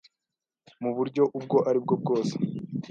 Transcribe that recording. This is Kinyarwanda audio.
mu buryo ubwo ari bwo bwose.